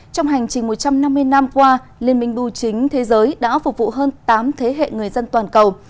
trong hành trình một trăm năm mươi năm qua liên minh bù chính thế giới đã phục vụ hơn tám thế hệ người dân toàn cầu